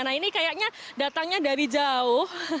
nah ini kayaknya datangnya dari jauh